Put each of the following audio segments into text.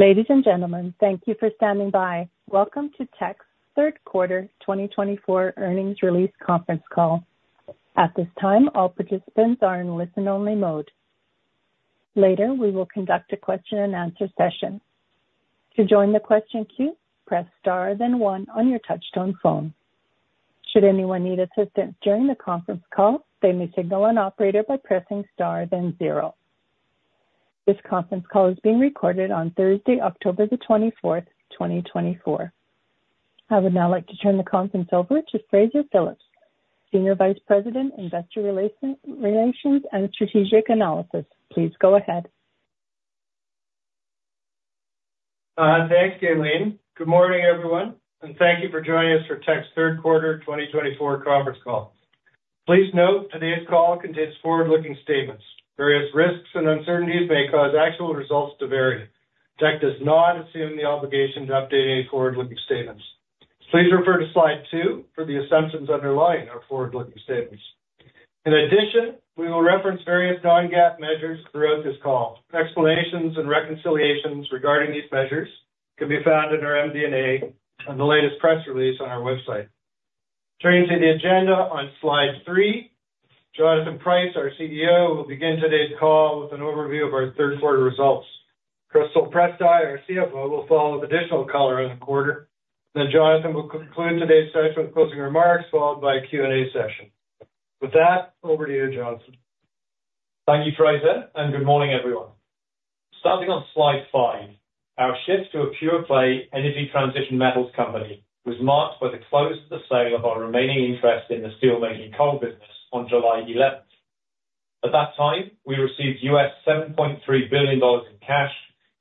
Ladies and gentlemen, thank you for standing by. Welcome to Teck's third quarter 2024 earnings release conference call. At this time, all participants are in listen-only mode. Later, we will conduct a question-and-answer session. To join the question queue, press Star, then one on your touchtone phone. Should anyone need assistance during the conference call, they may signal an operator by pressing Star, then zero. This conference call is being recorded on Thursday, October the twenty-fourth, 2024. I would now like to turn the conference over to Fraser Phillips, Senior Vice President, Investor Relations and Strategic Analysis. Please go ahead. Thanks, Eileen. Good morning, everyone, and thank you for joining us for Teck's third quarter 2024 conference call. Please note, today's call contains forward-looking statements. Various risks and uncertainties may cause actual results to vary. Teck does not assume the obligation to update any forward-looking statements. Please refer to slide two for the assumptions underlying our forward-looking statements. In addition, we will reference various non-GAAP measures throughout this call. Explanations and reconciliations regarding these measures can be found in our MD&A and the latest press release on our website. Turning to the agenda on slide three, Jonathan Price, our CEO, will begin today's call with an overview of our third quarter results. Crystal Prystai, our CFO, will follow with additional color on the quarter. Then Jonathan will conclude today's session with closing remarks, followed by a Q&A session. With that, over to you, Jonathan. Thank you, Fraser, and good morning, everyone. Starting on slide five, our shift to a pure-play energy transition metals company was marked by the close of the sale of our remaining interest in the steelmaking coal business on July eleventh. At that time, we received $7.3 billion in cash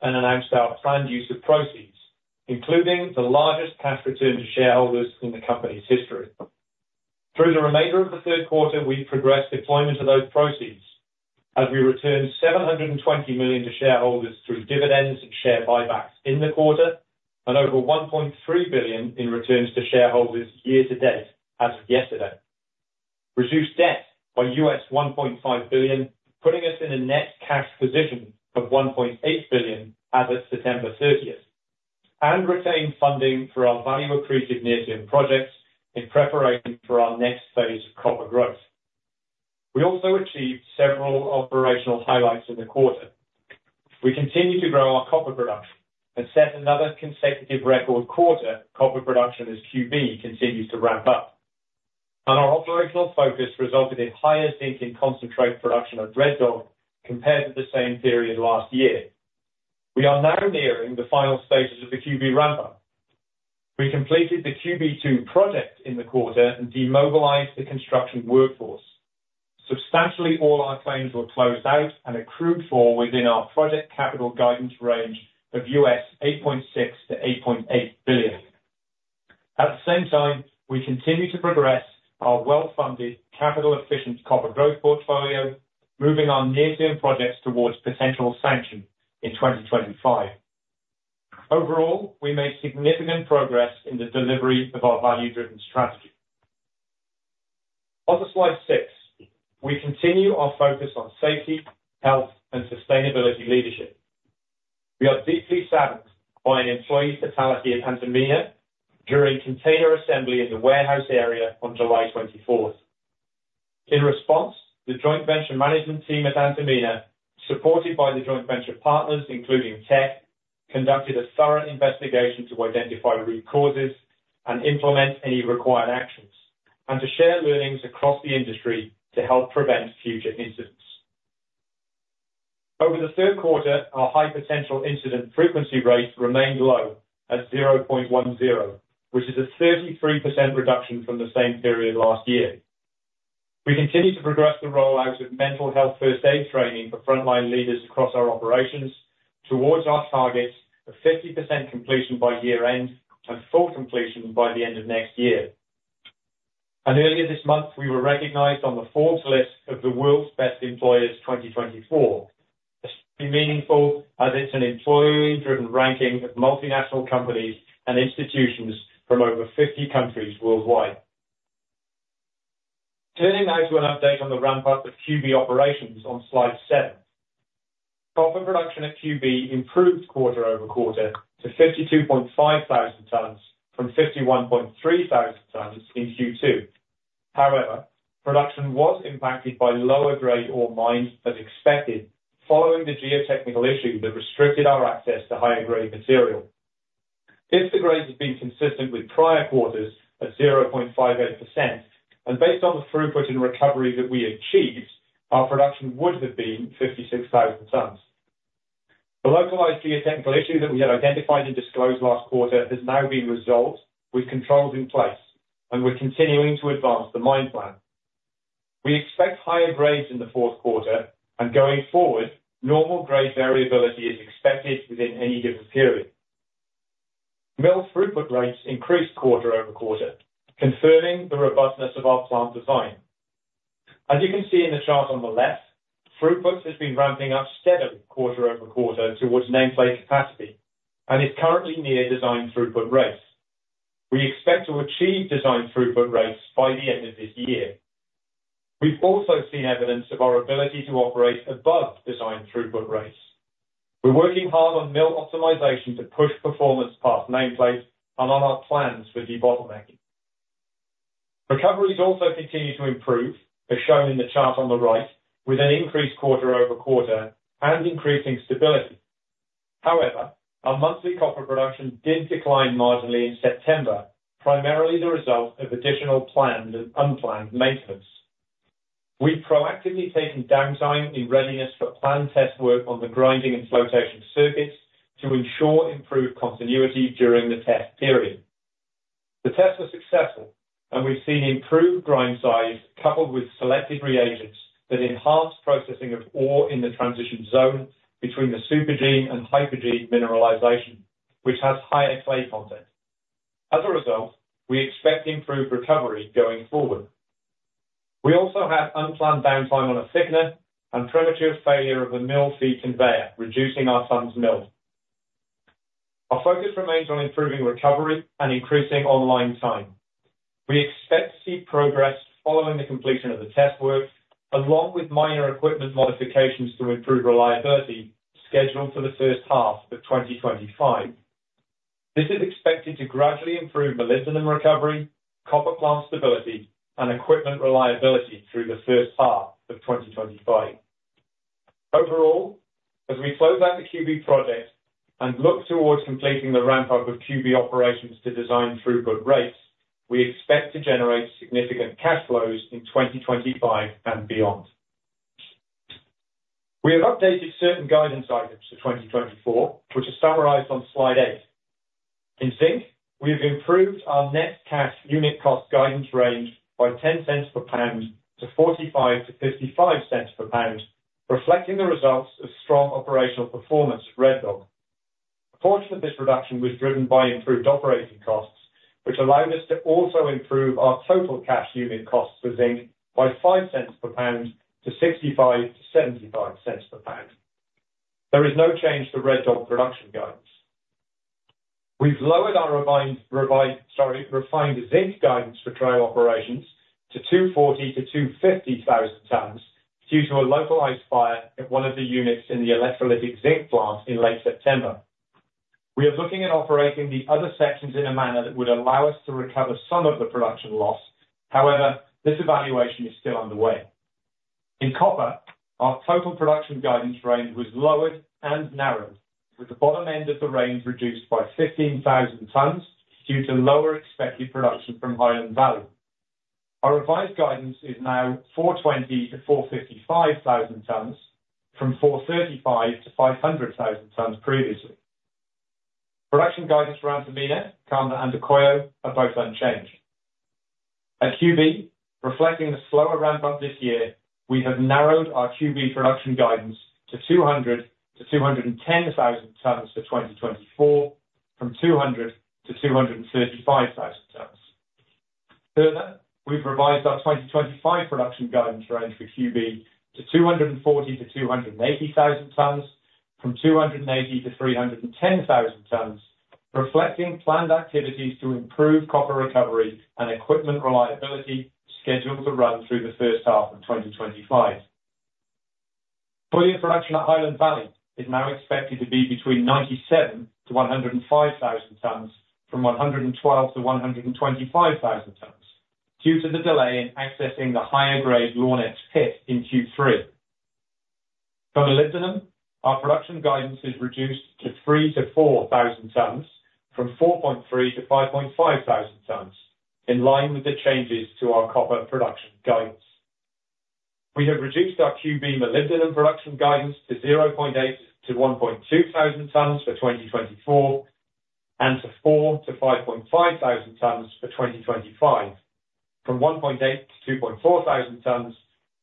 and announced our planned use of proceeds, including the largest cash return to shareholders in the company's history. Through the remainder of the third quarter, we progressed deployment of those proceeds as we returned $720 million to shareholders through dividends and share buybacks in the quarter and over $1.3 billion in returns to shareholders year to date as of yesterday. Reduced debt by $1.5 billion, putting us in a net cash position of $1.8 billion as of September thirtieth, and retained funding for our value-accretive near-term projects in preparation for our next phase of copper growth. We also achieved several operational highlights in the quarter. We continued to grow our copper production and set another consecutive record quarter copper production as QB continues to ramp up, and our operational focus resulted in higher zinc and concentrate production at Red Dog compared to the same period last year. We are now nearing the final stages of the QB ramp-up. We completed the QB2 project in the quarter and demobilized the construction workforce. Substantially, all our claims were closed out and accrued for within our project capital guidance range of $8.6-$8.8 billion. At the same time, we continue to progress our well-funded, capital-efficient copper growth portfolio, moving our near-term projects towards potential sanction in 2025. Overall, we made significant progress in the delivery of our value-driven strategy. On to slide six. We continue our focus on safety, health, and sustainability leadership. We are deeply saddened by an employee fatality at Antamina during container assembly in the warehouse area on July twenty-fourth. In response, the joint venture management team at Antamina, supported by the joint venture partners, including Teck, conducted a thorough investigation to identify root causes and implement any required actions, and to share learnings across the industry to help prevent future incidents. Over the third quarter, our high-potential incident frequency rate remained low at 0.10, which is a 33% reduction from the same period last year. We continue to progress the rollout of mental health first aid training for frontline leaders across our operations towards our targets of 50% completion by year-end and full completion by the end of next year. Earlier this month, we were recognized on the Forbes list of the World's Best Employers 2024. Especially meaningful, as it's an employee-driven ranking of multinational companies and institutions from over 50 countries worldwide. Turning now to an update on the ramp-up of QB operations on slide seven. Copper production at QB improved quarter over quarter to 52.5 thousand tons from 51.3 thousand tons in Q2. However, production was impacted by lower-grade ore mined as expected, following the geotechnical issue that restricted our access to higher-grade material. If the grade had been consistent with prior quarters at 0.58%, and based on the throughput and recovery that we achieved, our production would have been 56,000 tons. The localized geotechnical issue that we had identified and disclosed last quarter has now been resolved with controls in place, and we're continuing to advance the mine plan. We expect higher grades in the fourth quarter, and going forward, normal grade variability is expected within any given period. Mill throughput rates increased quarter over quarter, confirming the robustness of our plant design. As you can see in the chart on the left, throughput has been ramping up steadily, quarter over quarter, towards nameplate capacity and is currently near design throughput rates. We expect to achieve design throughput rates by the end of this year. We've also seen evidence of our ability to operate above design throughput rates. We're working hard on mill optimization to push performance past nameplate and on our plans for debottlenecking. Recoveries also continue to improve, as shown in the chart on the right, with an increased quarter over quarter and increasing stability. However, our monthly copper production did decline marginally in September, primarily the result of additional planned and unplanned maintenance. We've proactively taken downtime in readiness for planned test work on the grinding and flotation circuits to ensure improved continuity during the test period. The test was successful, and we've seen improved grind size, coupled with selected reagents that enhance processing of ore in the transition zone between the supergene and hypogene mineralization, which has higher clay content. As a result, we expect improved recovery going forward. We also had unplanned downtime on a thickener and premature failure of the mill feed conveyor, reducing our tonnes milled. Our focus remains on improving recovery and increasing online time. We expect to see progress following the completion of the test work, along with minor equipment modifications to improve reliability, scheduled for the first half of 2025. This is expected to gradually improve molybdenum recovery, copper plant stability, and equipment reliability through the first half of 2025. Overall, as we close out the QB project and look towards completing the ramp-up of QB operations to design throughput rates, we expect to generate significant cash flows in 2025 and beyond. We have updated certain guidance items for 2024, which are summarized on Slide eight. In zinc, we have improved our net cash unit cost guidance range by $0.10 per pound to $0.45-$0.55 per pound, reflecting the results of strong operational performance at Red Dog. A portion of this reduction was driven by improved operating costs, which allowed us to also improve our total cash unit costs for zinc by five cents per pound to 65-75 cents per pound. There is no change to Red Dog production guidance. We've lowered our refined zinc guidance for Trail Operations to 240-250 thousand tons due to a localized fire at one of the units in the electrolytic zinc plant in late September. We are looking at operating the other sections in a manner that would allow us to recover some of the production loss. However, this evaluation is still underway. In copper, our total production guidance range was lowered and narrowed, with the bottom end of the range reduced by 15,000 tons due to lower expected production from Highland Valley. Our revised guidance is now four twenty to four fifty-five thousand tons, from four thirty-five to five hundred thousand tons previously. Production guidance for Antamina, Carmen de Andacollo are both unchanged. At QB, reflecting the slower ramp-up this year, we have narrowed our QB production guidance to two hundred to two hundred and ten thousand tons for 2024, from two hundred to two hundred and thirty-five thousand tons. Further, we've revised our 2025 production guidance range for QB to two hundred and forty to two hundred and eighty thousand tons, from two hundred and eighty to three hundred and ten thousand tons, reflecting planned activities to improve copper recovery and equipment reliability, scheduled to run through the first half of 2025. Full-year production at Highland Valley is now expected to be between 97-105 thousand tons, from 112-125 thousand tons, due to the delay in accessing the higher grade Lornex pit in Q3. For molybdenum, our production guidance is reduced to 3-4 thousand tons, from 4.3-5.5 thousand tons, in line with the changes to our copper production guidance. We have reduced our QB molybdenum production guidance to 0.8-1.2 thousand tons for 2024, and to 4-5.5 thousand tons for 2025, from 1.8-2.4 thousand tons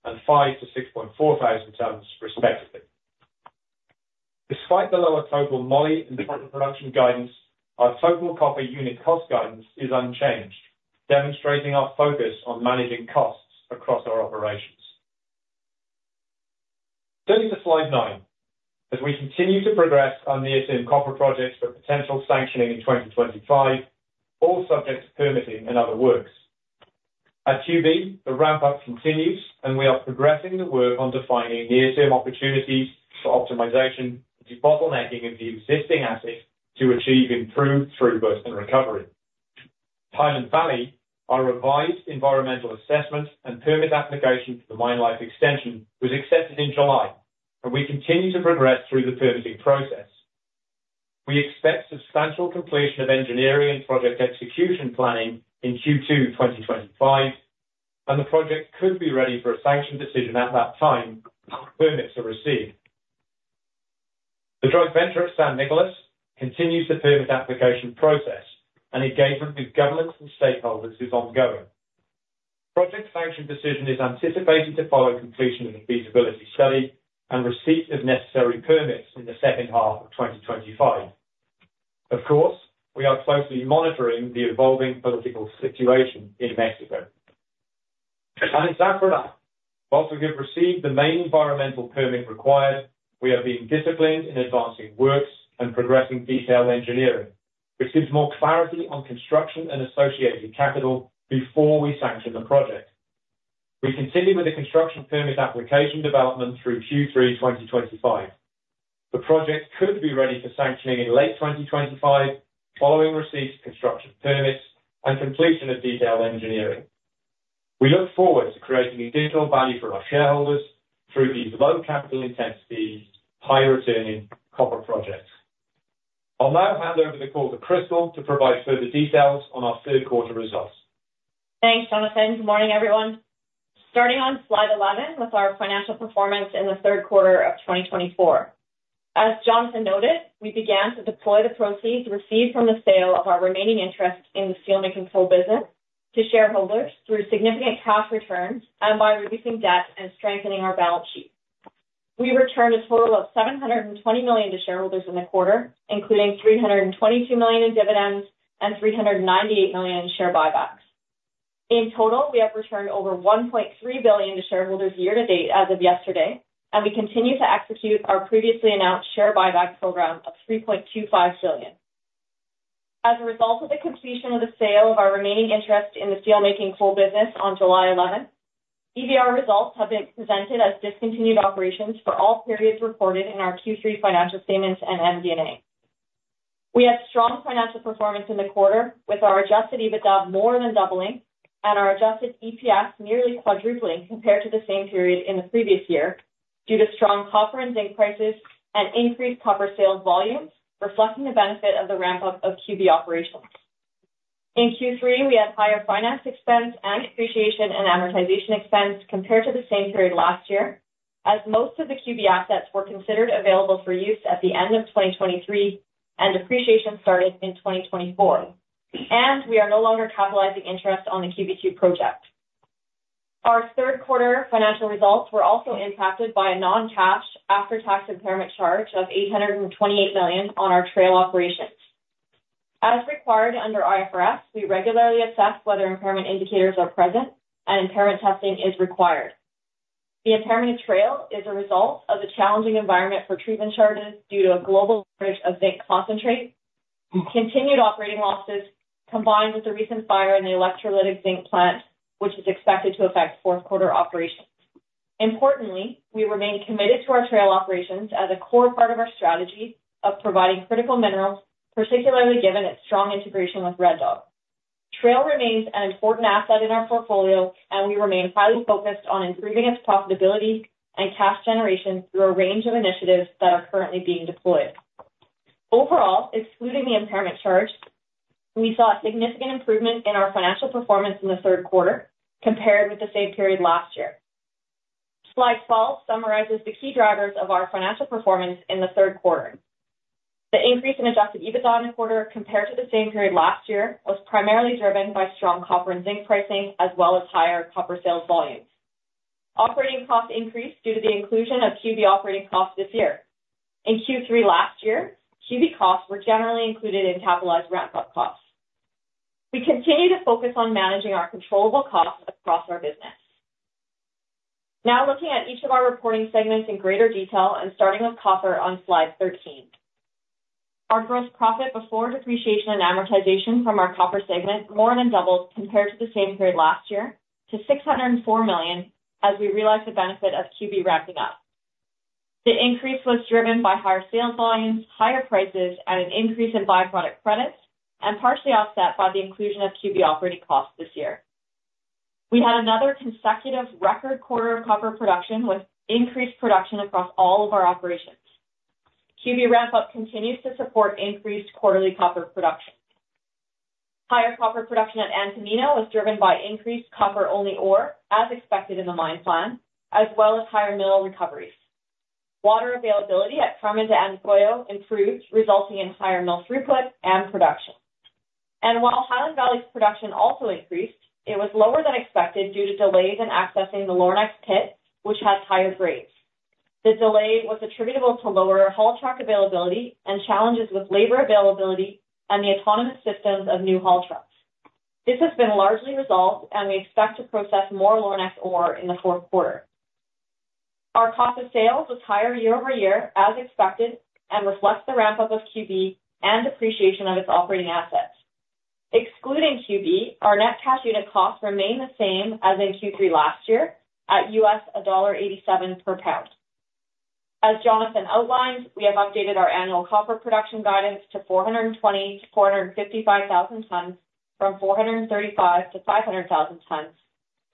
and 5-6.4 thousand tons respectively. Despite the lower total moly in copper production guidance, our total copper unit cost guidance is unchanged, demonstrating our focus on managing costs across our operations. Turning to Slide nine. As we continue to progress our near-term copper projects for potential sanctioning in 2025, all subject to permitting and other work. At QB, the ramp-up continues, and we are progressing the work on defining near-term opportunities for optimization, debottlenecking of the existing assets to achieve improved throughput and recovery. Highland Valley, our revised environmental assessment and permit application for the mine life extension, was accepted in July, and we continue to progress through the permitting process. We expect substantial completion of engineering and project execution planning in Q2 2025, and the project could be ready for a sanction decision at that time permits are received. The joint venture at San Nicolás continues the permit application process and engagement with governments and stakeholders is ongoing. Project sanction decision is anticipated to follow completion of the feasibility study and receipt of necessary permits in the second half of 2025. Of course, we are closely monitoring the evolving political situation in Mexico, and Zafranal, while we have received the main environmental permit required, we are being disciplined in advancing works and progressing detailed engineering, which gives more clarity on construction and associated capital before we sanction the project. We continue with the construction permit application development through Q3 2025. The project could be ready for sanctioning in late 2025, following receipt of construction permits and completion of detailed engineering. We look forward to creating additional value for our shareholders through these low capital intensity, high-returning copper projects. I'll now hand over the call to Crystal to provide further details on our third quarter results. Thanks, Jonathan. Good morning, everyone. Starting on slide 11 with our financial performance in the third quarter of 2024. As Jonathan noted, we began to deploy the proceeds received from the sale of our remaining interest in the steelmaking coal business to shareholders through significant cash returns and by reducing debt and strengthening our balance sheet. We returned a total of $720 million to shareholders in the quarter, including $322 million in dividends and $398 million in share buybacks. In total, we have returned over $1.3 billion to shareholders year to date as of yesterday, and we continue to execute our previously announced share buyback program of $3.25 billion. As a result of the completion of the sale of our remaining interest in the steelmaking coal business on July eleventh, EVR results have been presented as discontinued operations for all periods reported in our Q3 financial statements and MD&A. We had strong financial performance in the quarter, with our Adjusted EBITDA more than doubling and our Adjusted EPS nearly quadrupling compared to the same period in the previous year, due to strong copper and zinc prices and increased copper sales volumes, reflecting the benefit of the ramp-up of QB operations. In Q3, we had higher finance expense and depreciation and amortization expense compared to the same period last year, as most of the QB assets were considered available for use at the end of 2023, and we are no longer capitalizing interest on the QB2 project. Our third quarter financial results were also impacted by a non-cash after-tax impairment charge of $828 million on our Trail Operations. As required under IFRS, we regularly assess whether impairment indicators are present and impairment testing is required. The impairment Trail is a result of the challenging environment for treatment charges due to a global shortage of zinc concentrate, continued operating losses, combined with the recent fire in the electrolytic zinc plant, which is expected to affect fourth quarter operations. Importantly, we remain committed to our Trail Operations as a core part of our strategy of providing critical minerals, particularly given its strong integration with Red Dog. Trail remains an important asset in our portfolio, and we remain highly focused on improving its profitability and cash generation through a range of initiatives that are currently being deployed. Overall, excluding the impairment charge, we saw a significant improvement in our financial performance in the third quarter compared with the same period last year. Slide 12 summarizes the key drivers of our financial performance in the third quarter. The increase in Adjusted EBITDA in the quarter compared to the same period last year was primarily driven by strong copper and zinc pricing, as well as higher copper sales volumes. Operating costs increased due to the inclusion of QB operating costs this year. In Q3 last year, QB costs were generally included in capitalized ramp-up costs. We continue to focus on managing our controllable costs across our business. Now, looking at each of our reporting segments in greater detail and starting with copper on Slide 13. Our gross profit before depreciation and amortization from our copper segment more than doubled compared to the same period last year to $604 million, as we realized the benefit of QB ramping up. The increase was driven by higher sales volumes, higher prices, and an increase in byproduct credits, and partially offset by the inclusion of QB operating costs this year. We had another consecutive record quarter of copper production, with increased production across all of our operations. QB ramp-up continues to support increased quarterly copper production. Higher copper production at Antamina was driven by increased copper-only ore, as expected in the mine plan, as well as higher mill recoveries. Water availability at Carmen de Andacollo improved, resulting in higher mill throughput and production. While Highland Valley's production also increased, it was lower than expected due to delays in accessing the Lornex pit, which has higher grades. The delay was attributable to lower haul truck availability and challenges with labor availability and the autonomous systems of new haul trucks. This has been largely resolved, and we expect to process more Lornex ore in the fourth quarter. Our cost of sales was higher year over year, as expected, and reflects the ramp-up of QB and depreciation of its operating assets. Excluding QB, our net cash unit costs remain the same as in Q3 last year at $1.87 per pound. As Jonathan outlined, we have updated our annual copper production guidance to 420-455 thousand tons from 435-500 thousand tons,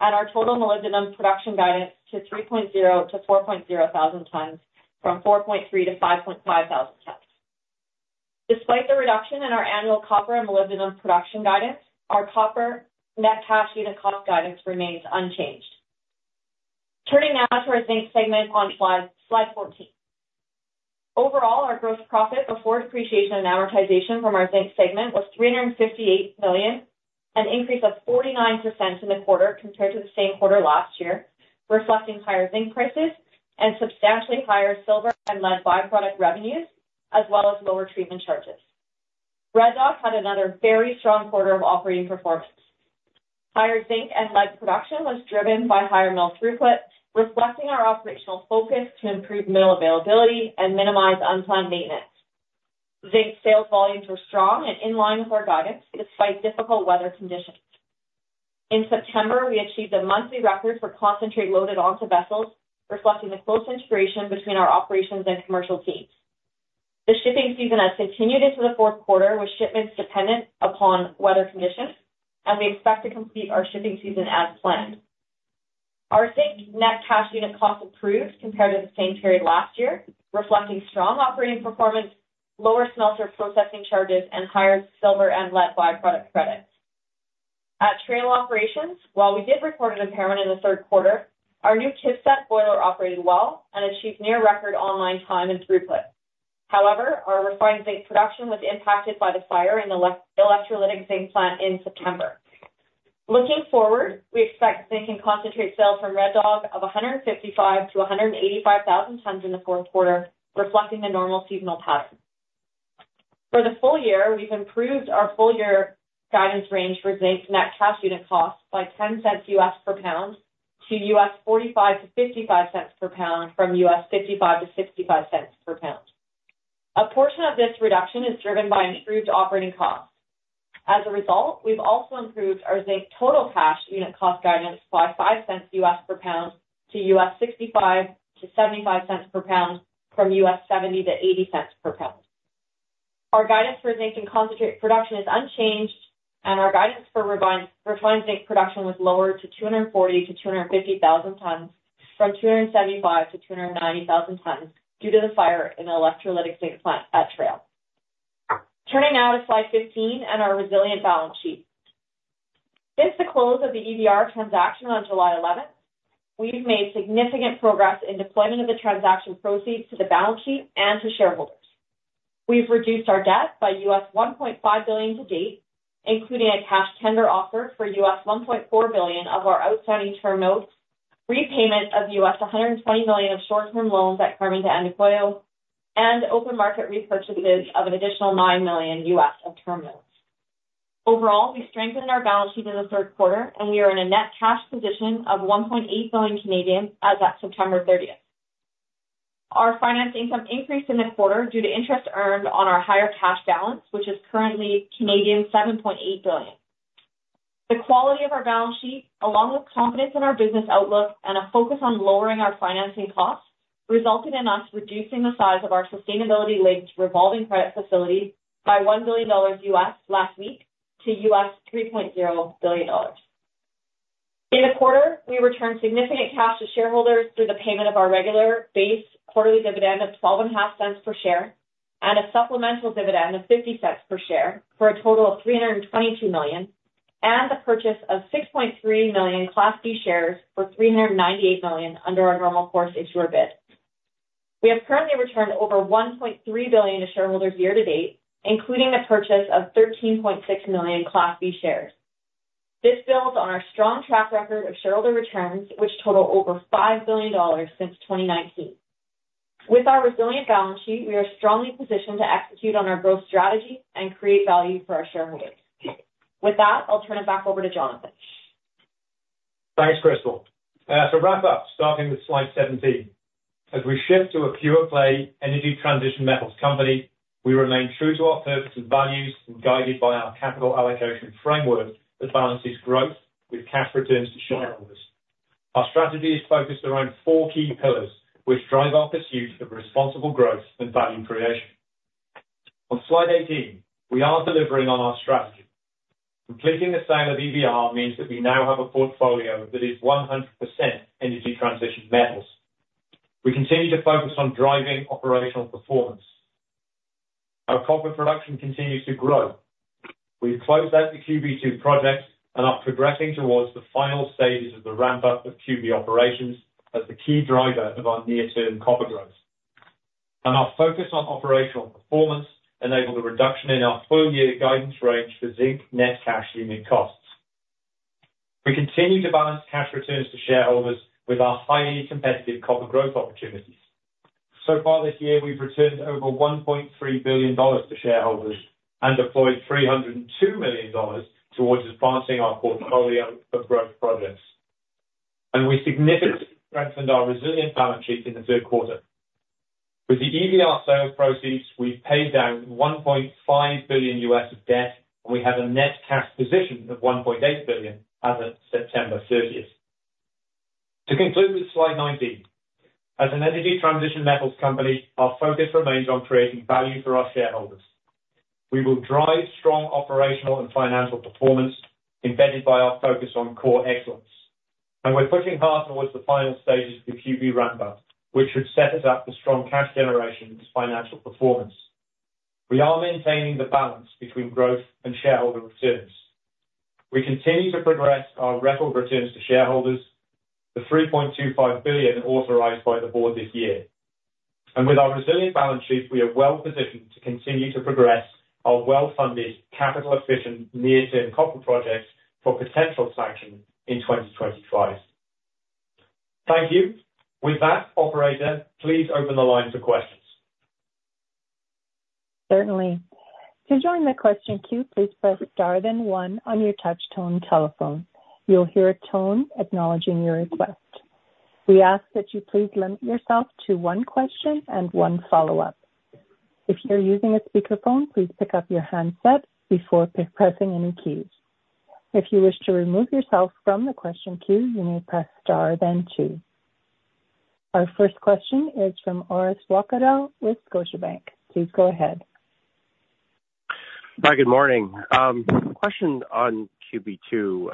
and our total molybdenum production guidance to 3.0-4.0 thousand tons from 4.3-5.5 thousand tons. Despite the reduction in our annual copper and molybdenum production guidance, our copper net cash unit cost guidance remains unchanged. Turning now to our zinc segment on slide 14. Overall, our gross profit before depreciation and amortization from our zinc segment was $358 million, an increase of 49% in the quarter compared to the same quarter last year, reflecting higher zinc prices and substantially higher silver and lead byproduct revenues, as well as lower treatment charges. Red Dog had another very strong quarter of operating performance.... Higher zinc and lead production was driven by higher mill throughput, reflecting our operational focus to improve mill availability and minimize unplanned maintenance. Zinc sales volumes were strong and in line with our guidance, despite difficult weather conditions. In September, we achieved a monthly record for concentrate loaded onto vessels, reflecting the close integration between our operations and commercial teams. The shipping season has continued into the fourth quarter, with shipments dependent upon weather conditions, and we expect to complete our shipping season as planned. Our zinc net cash unit cost improved compared to the same period last year, reflecting strong operating performance, lower smelter processing charges, and higher silver and lead by-product credits. At Trail Operations, while we did report an impairment in the third quarter, our new KIVCET boiler operated well and achieved near record online time and throughput. However, our refined zinc production was impacted by the fire in the electrolytic zinc plant in September. Looking forward, we expect zinc and concentrate sales from Red Dog of 155-185 thousand tons in the fourth quarter, reflecting a normal seasonal pattern. For the full year, we've improved our full year guidance range for zinc net cash unit costs by $0.10 per pound, to $0.45-$0.55 per pound, from $0.55-$0.65 per pound. A portion of this reduction is driven by improved operating costs. As a result, we've also improved our zinc total cash unit cost guidance by $0.05 per pound, to $0.65-$0.75 per pound, from $0.70-$0.80 per pound. Our guidance for zinc and concentrate production is unchanged, and our guidance for refined zinc production was lowered to two hundred and forty to two hundred and fifty thousand tons, from two hundred and seventy-five to two hundred and ninety thousand tons due to the fire in the electrolytic zinc plant at Trail. Turning now to slide fifteen and our resilient balance sheet. Since the close of the EVR transaction on July 11th, we've made significant progress in deployment of the transaction proceeds to the balance sheet and to shareholders. We've reduced our debt by $1.5 billion to date, including a cash tender offer for $1.4 billion of our outstanding term notes, repayment of $120 million of short-term loans at Carmen de Andacollo, and open market repurchases of an additional $9 million of term notes. Overall, we strengthened our balance sheet in the third quarter, and we are in a net cash position of 1.8 billion Canadian dollars as at September 30th. Our finance income increased in the quarter due to interest earned on our higher cash balance, which is currently 7.8 billion Canadian dollars. The quality of our balance sheet, along with confidence in our business outlook and a focus on lowering our financing costs, resulted in us reducing the size of our sustainability-linked revolving credit facility by $1 billion last week to $3.0 billion. In the quarter, we returned significant cash to shareholders through the payment of our regular base quarterly dividend of $0.125 per share, and a supplemental dividend of $0.50 per share, for a total of $322 million, and the purchase of 6.3 million Class B shares for $398 million under our normal course issuer bid. We have currently returned over $1.3 billion to shareholders year to date, including the purchase of 13.6 million Class B shares. This builds on our strong track record of shareholder returns, which total over $5 billion since 2019. With our resilient balance sheet, we are strongly positioned to execute on our growth strategy and create value for our shareholders. With that, I'll turn it back over to Jonathan. Thanks, Crystal. To wrap up, starting with slide seventeen. As we shift to a pure play energy transition metals company, we remain true to our purpose and values, and guided by our capital allocation framework that balances growth with cash returns to shareholders. Our strategy is focused around four key pillars, which drive our pursuit of responsible growth and value creation. On slide eighteen, we are delivering on our strategy. Completing the sale of EVR means that we now have a portfolio that is 100% energy transition metals. We continue to focus on driving operational performance. Our copper production continues to grow. We've closed out the QB2 project and are progressing towards the final stages of the ramp-up of QB operations as the key driver of our near-term copper growth. Our focus on operational performance enabled a reduction in our full-year guidance range for zinc net cash unit costs. We continue to balance cash returns to shareholders with our highly competitive copper growth opportunities. So far this year, we've returned over $1.3 billion to shareholders and deployed $302 million towards advancing our portfolio of growth projects, and we significantly strengthened our resilient balance sheet in the third quarter. With the EVR sale proceeds, we've paid down $1.5 billion of debt, and we have a net cash position of $1.8 billion as of September 30th. To conclude with slide nineteen, as an energy transition metals company, our focus remains on creating value for our shareholders. We will drive strong operational and financial performance, embedded by our focus on core excellence, and we're pushing hard towards the final stages of the QB ramp-up, which should set us up for strong cash generation and financial performance. We are maintaining the balance between growth and shareholder returns. We continue to progress our record returns to shareholders, the $3.25 billion authorized by the board this year, and with our resilient balance sheet, we are well positioned to continue to progress our well-funded, capital-efficient, near-term copper projects for potential sanction in 2025. Thank you. With that, operator, please open the line for questions. ...Certainly. To join the question queue, please press star then one on your touchtone telephone. You'll hear a tone acknowledging your request. We ask that you please limit yourself to one question and one follow-up. If you're using a speakerphone, please pick up your handset before pressing any keys. If you wish to remove yourself from the question queue, you may press star then two. Our first question is from Orest Wowkodaw with Scotiabank. Please go ahead. Hi, good morning. Question on QB 2.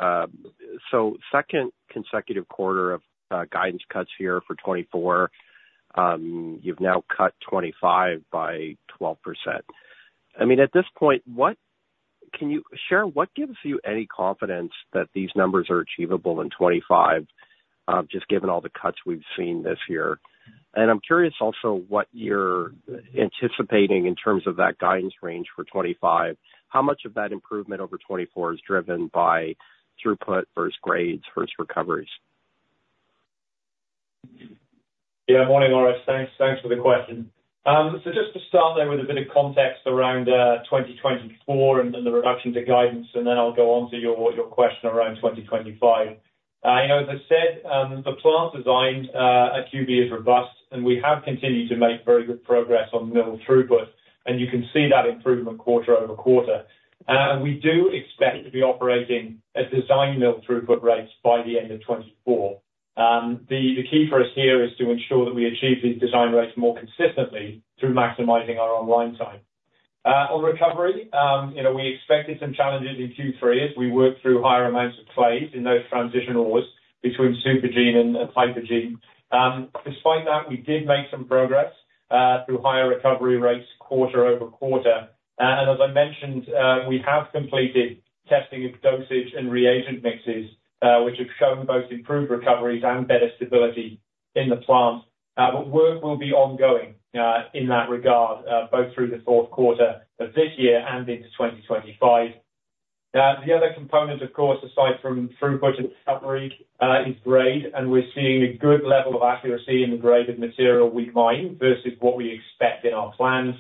So second consecutive quarter of guidance cuts here for 2024. You've now cut 25 by 12%. I mean, at this point, what can you share, what gives you any confidence that these numbers are achievable in 2025, just given all the cuts we've seen this year? And I'm curious also what you're anticipating in terms of that guidance range for 2025. How much of that improvement over 2024 is driven by throughput versus grades versus recoveries? Yeah, morning, Orest. Thanks, thanks for the question. So just to start there with a bit of context around 2024 and the reduction to guidance, and then I'll go on to your question around 2025. You know, as I said, the plant design at QB is robust, and we have continued to make very good progress on mill throughput, and you can see that improvement quarter over quarter. And we do expect to be operating at design mill throughput rates by the end of 2024. The key for us here is to ensure that we achieve these design rates more consistently through maximizing our online time. On recovery, you know, we expected some challenges in Q3 as we worked through higher amounts of clays in those transitional ores between supergene and hypogene. Despite that, we did make some progress through higher recovery rates quarter over quarter, and as I mentioned, we have completed testing of dosage and reagent mixes, which have shown both improved recoveries and better stability in the plant, but work will be ongoing in that regard both through the fourth quarter of this year and into 2025. The other component, of course, aside from throughput and recovery, is grade, and we're seeing a good level of accuracy in the graded material we mine versus what we expect in our plans.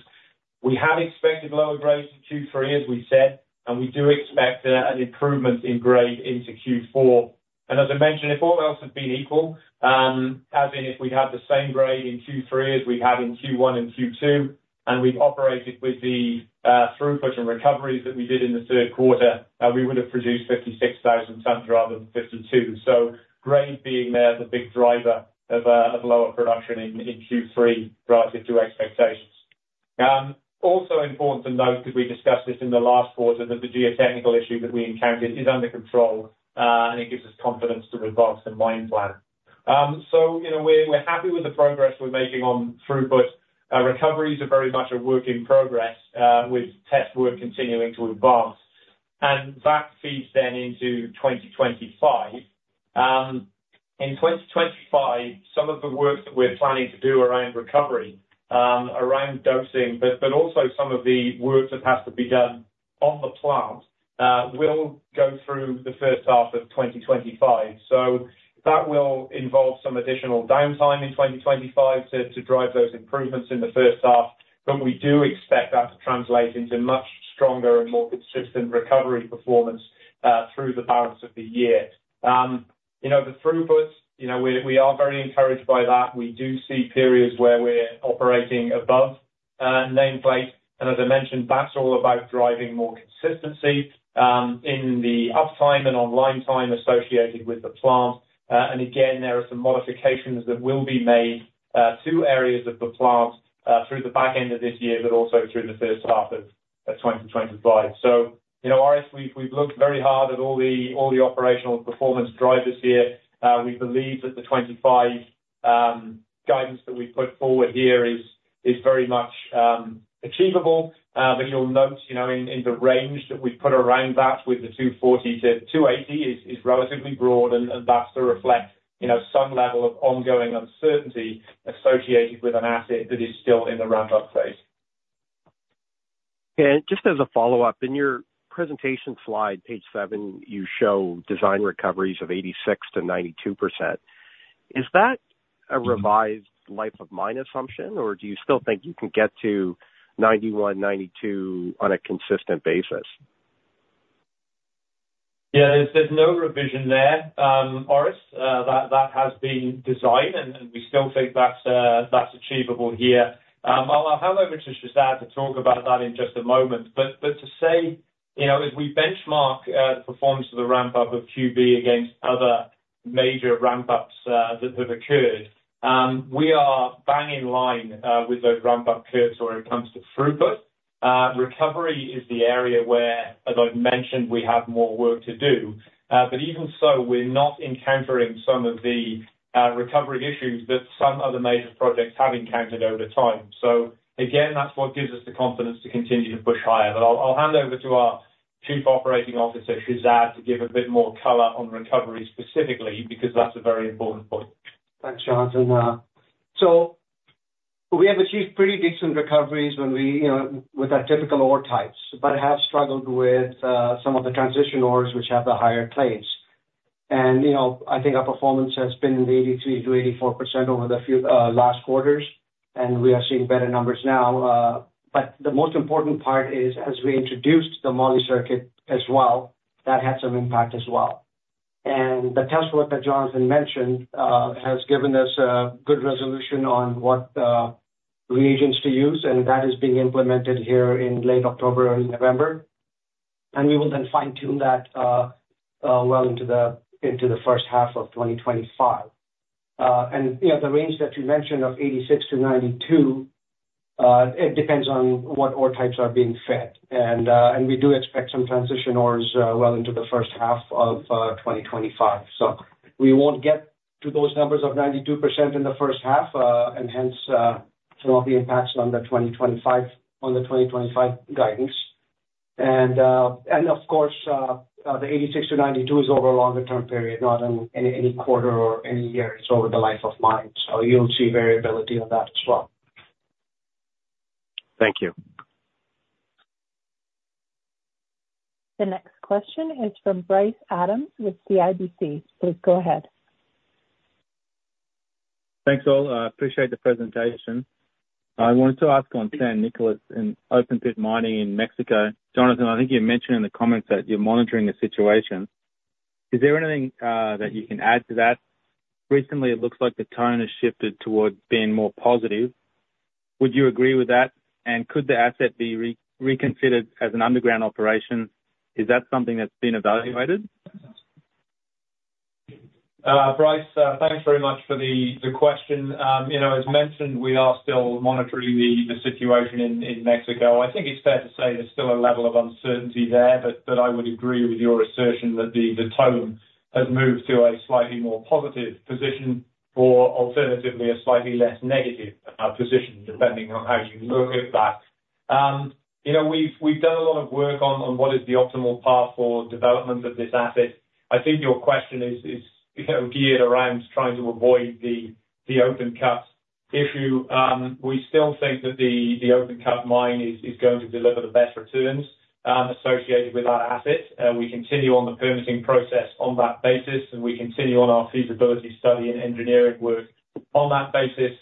We had expected lower grades in Q3, as we said, and we do expect an improvement in grade into Q4. And as I mentioned, if all else had been equal, as in if we'd had the same grade in Q3 as we had in Q1 and Q2, and we'd operated with the throughput and recoveries that we did in the third quarter, we would have produced 56 thousand tons rather than 52. So grade being there, the big driver of lower production in Q3, rather to expectations. Also important to note, as we discussed this in the last quarter, that the geotechnical issue that we encountered is under control, and it gives us confidence to advance the mine plan. So, you know, we're happy with the progress we're making on throughput. Recoveries are very much a work in progress, with test work continuing to advance, and that feeds then into 2025. In 2025, some of the work that we're planning to do around recovery, around dosing, but also some of the work that has to be done on the plant, will go through the first half of 2025. That will involve some additional downtime in 2025 to drive those improvements in the first half, but we do expect that to translate into much stronger and more consistent recovery performance, through the balance of the year. You know, the throughput, you know, we are very encouraged by that. We do see periods where we're operating above nameplate, and as I mentioned, that's all about driving more consistency, in the uptime and online time associated with the plant. And again, there are some modifications that will be made to areas of the plant through the back end of this year, but also through the first half of 2025. So, you know, Orest, we've looked very hard at all the operational performance drivers here. We believe that the 2025 guidance that we've put forward here is very much achievable. But you'll note, you know, in the range that we've put around that with the 240-280 is relatively broad, and that's to reflect, you know, some level of ongoing uncertainty associated with an asset that is still in the ramp-up phase. Just as a follow-up, in your presentation slide, page 7, you show design recoveries of 86%-92%. Is that a revised life of mine assumption, or do you still think you can get to 91, 92 on a consistent basis? Yeah, there's no revision there, Orest. That has been designed, and we still think that's achievable here. I'll hand over to Shehzad to talk about that in just a moment. But to say, you know, as we benchmark the performance of the ramp-up of QB against other major ramp-ups that have occurred, we are bang in line with those ramp-up curves when it comes to throughput. Recovery is the area where, as I've mentioned, we have more work to do. But even so, we're not encountering some of the recovery issues that some other major projects have encountered over time. So again, that's what gives us the confidence to continue to push higher. But I'll hand over to our Chief Operating Officer, Shehzad, to give a bit more color on recovery specifically, because that's a very important point. Thanks, Jonathan. We have achieved pretty decent recoveries when we, you know, with our typical ore types, but have struggled with some of the transition ores which have the higher clays. ...And, you know, I think our performance has been in the 83%-84% over the few last quarters, and we are seeing better numbers now. But the most important part is, as we introduced the multi-circuit as well, that had some impact as well. And the test work that Jonathan mentioned has given us a good resolution on what reagents to use, and that is being implemented here in late October, early November. And we will then fine-tune that well into the first half of 2025. And, you know, the range that you mentioned of 86%-92%, it depends on what ore types are being fed. And we do expect some transition ores well into the first half of 2025. So we won't get to those numbers of 92% in the first half, and hence, some of the impacts on the 2025, on the 2025 guidance. And, and of course, the 86-92% is over a longer term period, not in any, any quarter or any year. It's over the life of mine, so you'll see variability on that as well. Thank you. The next question is from Bryce Adams with CIBC. Please go ahead. Thanks, all. I appreciate the presentation. I wanted to ask on San Nicolás and open pit mining in Mexico. Jonathan, I think you mentioned in the comments that you're monitoring the situation. Is there anything that you can add to that? Recently, it looks like the tone has shifted towards being more positive. Would you agree with that? And could the asset be reconsidered as an underground operation? Is that something that's been evaluated? Bryce, thanks very much for the question. You know, as mentioned, we are still monitoring the situation in Mexico. I think it's fair to say there's still a level of uncertainty there, but I would agree with your assertion that the tone has moved to a slightly more positive position, or alternatively, a slightly less negative position, depending on how you look at that. You know, we've done a lot of work on what is the optimal path for development of this asset. I think your question is, you know, geared around trying to avoid the open cut issue. We still think that the open cut mine is going to deliver the best returns associated with our asset. We continue on the permitting process on that basis, and we continue on our feasibility study and engineering work on that basis.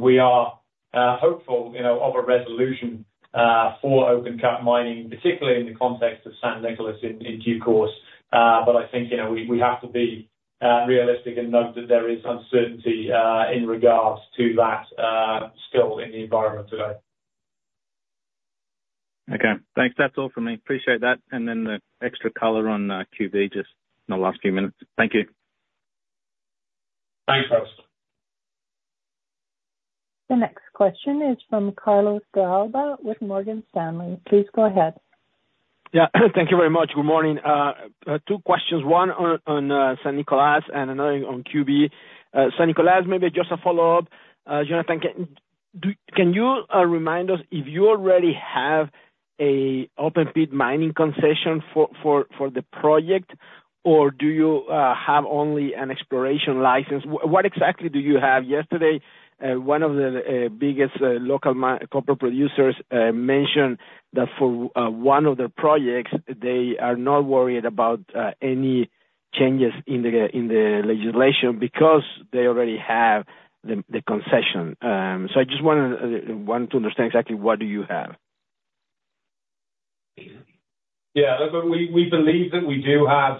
We are hopeful, you know, of a resolution for open cut mining, particularly in the context of San Nicolás in due course. But I think, you know, we have to be realistic and note that there is uncertainty in regards to that still in the environment today. Okay. Thanks, that's all for me. Appreciate that, and then the extra color on QB just in the last few minutes. Thank you. Thanks, Bryce. The next question is from Carlos De Alba with Morgan Stanley. Please go ahead. Yeah, thank you very much. Good morning. Two questions, one on San Nicolás and another on QB. San Nicolás, maybe just a follow-up. Jonathan, can you remind us if you already have a open pit mining concession for the project, or do you have only an exploration license? What exactly do you have? Yesterday, one of the biggest local corporate producers mentioned that for one of their projects, they are not worried about any changes in the legislation because they already have the concession. So I just wanted to understand exactly what do you have? Yeah, look, we believe that we do have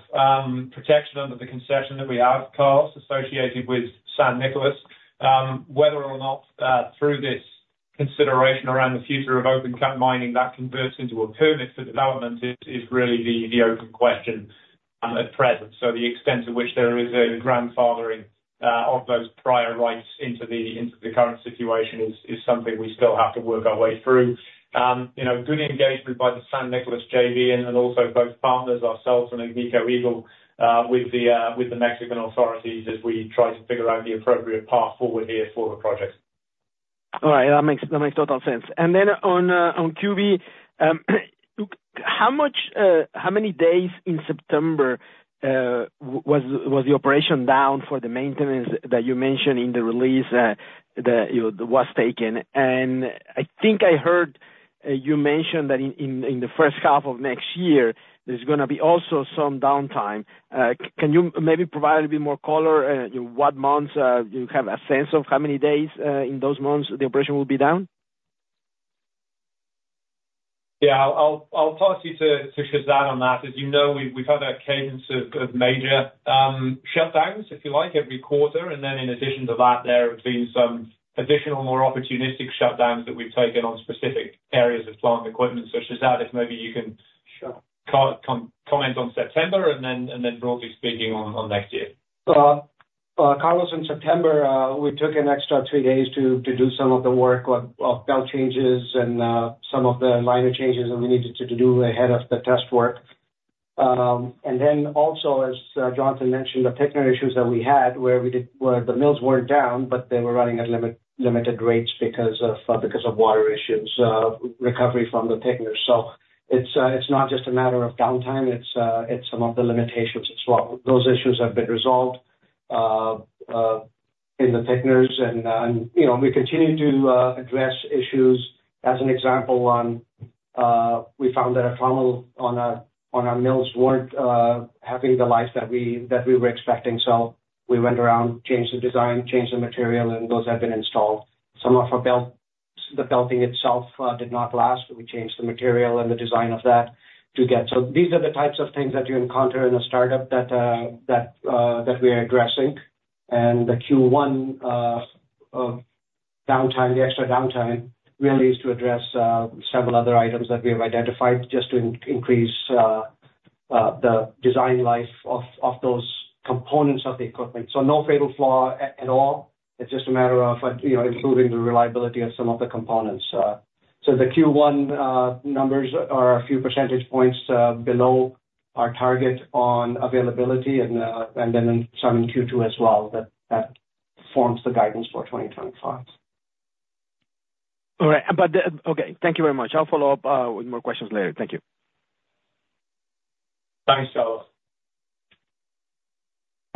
protection under the concession that we have, Carlos, associated with San Nicolás. Whether or not through this consideration around the future of open cut mining, that converts into a permit for development is really the open question at present. So the extent to which there is a grandfathering of those prior rights into the current situation is something we still have to work our way through. You know, good engagement by the San Nicolás JV and also both partners, ourselves and Agnico Eagle, with the Mexican authorities, as we try to figure out the appropriate path forward here for the project. All right. That makes total sense. And then on QB, how many days in September was the operation down for the maintenance that you mentioned in the release, you know, that was taken? And I think I heard you mention that in the first half of next year, there's gonna be also some downtime. Can you maybe provide a bit more color, you know, what months, you have a sense of how many days in those months the operation will be down? Yeah, I'll pass you to Shehzad on that. As you know, we've had a cadence of major shutdowns, if you like, every quarter. And then in addition to that, there have been some additional, more opportunistic shutdowns that we've taken on specific areas of plant equipment. So Shehzad, if maybe you can- Sure. comment on September and then broadly speaking, on next year. Carlos, in September, we took an extra three days to do some of the work of belt changes and some of the minor changes that we needed to do ahead of the test work. And then also, as Jonathan mentioned, the thickener issues that we had where the mills weren't down, but they were running at limited rates because of water issues, recovery from the thickener. So it's not just a matter of downtime, it's some of the limitations as well. Those issues have been resolved in the thickeners and, you know, we continue to address issues, as an example, on-... we found that our funnel on our mills weren't having the life that we were expecting, so we went around, changed the design, changed the material, and those have been installed. Some of our belts, the belting itself, did not last. We changed the material and the design of that to get. So these are the types of things that you encounter in a startup that we are addressing. The Q1 of downtime, the extra downtime, really is to address several other items that we have identified just to increase the design life of those components of the equipment. So no fatal flaw at all. It's just a matter of, you know, improving the reliability of some of the components. So the Q1 numbers are a few percentage points below our target on availability and then some in Q2 as well, but that forms the guidance for 2025. All right. But the... Okay, thank you very much. I'll follow up with more questions later. Thank you. Thanks, Carlos.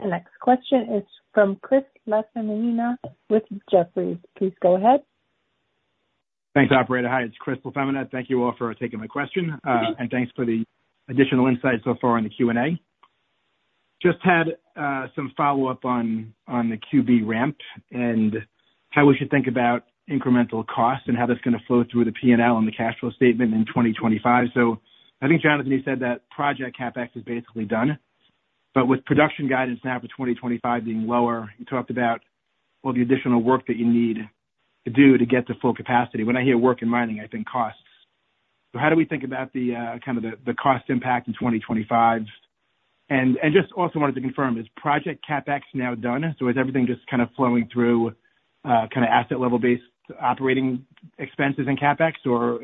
The next question is from Chris LaFemina with Jefferies. Please go ahead. Thanks, operator. Hi, it's Chris LaFemina. Thank you all for taking my question, and thanks for the additional insight so far in the Q&A. Just had some follow-up on the QB ramp, and how we should think about incremental costs, and how that's gonna flow through the P&L on the cash flow statement in 2025. So I think Jonathan, you said that project CapEx is basically done, but with production guidance now for 2025 being lower, you talked about all the additional work that you need to do to get to full capacity. When I hear work in mining, I think costs. So how do we think about the kind of the cost impact in 2025? And just also wanted to confirm, is project CapEx now done? So is everything just kind of flowing through kind of asset level based operating expenses in CapEx, or